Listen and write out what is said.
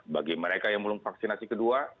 bagi mereka yang belum vaksinasi kedua